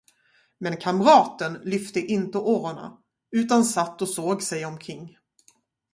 Men kamraten lyfte inte årorna, utan satt och såg sig omkring.